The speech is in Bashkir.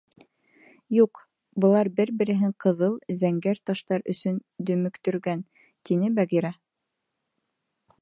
— Юҡ, былар бер-береһен ҡыҙыл, зәңгәр таштар өсөн дөмөктөргән, — тине Багира.